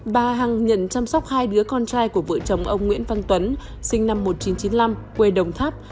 bà hằng nhận chăm sóc hai đứa con trai của vợ chồng ông nguyễn văn tuấn sinh năm một nghìn chín trăm chín mươi năm quê đồng tháp